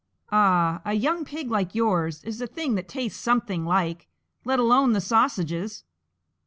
Ah! a young pig like yours is the thing that tastes something like, let alone the sausages!"